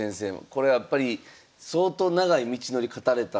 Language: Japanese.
これやっぱり相当長い道のり勝たれた。